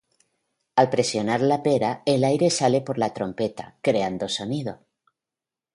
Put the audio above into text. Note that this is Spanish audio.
Al presionar la pera, el aire sale por la trompeta, creando sonido.